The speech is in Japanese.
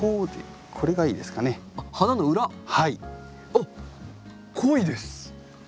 あっ濃いです！